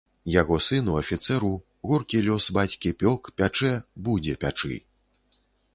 Яго сыну, афіцэру, горкі лёс бацькі пёк, пячэ, будзе пячы.